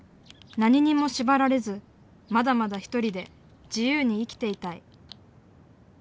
何にも縛られずまだまだ一人で自由に生きていたい。